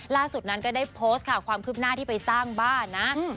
ล่าสุดนั้นก็ได้โพสต์ค่ะความคืบหน้าที่ไปสร้างบ้านนะ